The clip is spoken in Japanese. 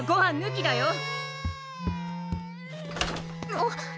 あっ。